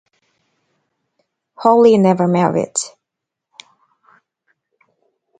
Holley never married.